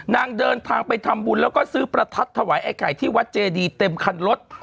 เดินทางไปทำบุญแล้วก็ซื้อประทัดถวายไอ้ไข่ที่วัดเจดีเต็มคันรถ